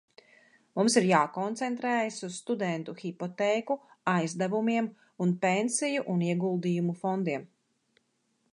Mums ir jākoncentrējas uz studentu hipotēku aizdevumiem un pensiju un ieguldījumu fondiem.